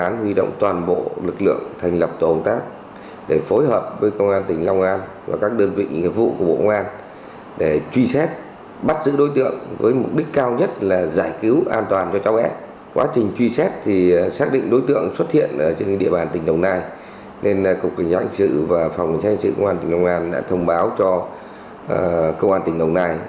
nên cục cảnh sát hành sự và phòng cảnh sát hành sự công an tỉnh long an đã thông báo cho công an tỉnh long nai